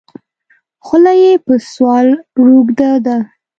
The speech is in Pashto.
خوله یې په سوال روږده ده.